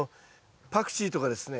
パクチーとかですね